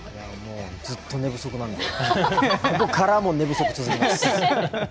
ずっと寝不足なんでここからも寝不足続きます。